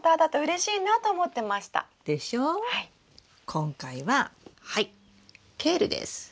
今回はケールです。